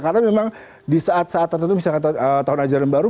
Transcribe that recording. karena memang di saat saat tertentu misalkan tahun ajaran baru